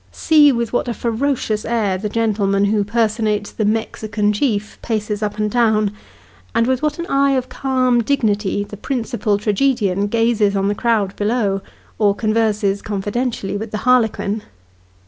See with what a ferocious air the gentleman who personates the Mexican chief, paces np and down, and with what an eye of calm dignity the principal tragedian gazes on the crowd below, or converses confidentially with the harlequin